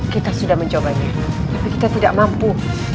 kita sudah mencobanya tapi kita tidak mampu